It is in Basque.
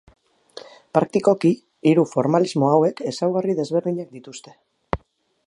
Praktikoki, hiru formalismo hauek ezaugarri desberdinak dituzte.